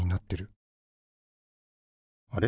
あれ？